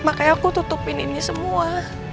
makanya aku tutupin ini semua